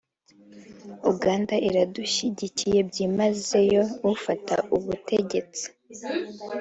Uganda iradushyigikira byimazeyo ufata ubutegetsi